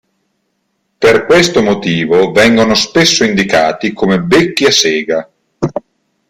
Per questo motivo vengono spesso indicati come "becchi a sega".